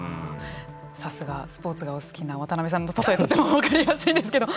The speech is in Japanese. さすがスポーツがお好きな渡辺さんの例えとても分かりやすいですけど。